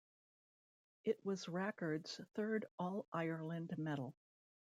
It was Rackard's third All-Ireland medal.